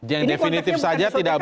yang definitif saja tidak baik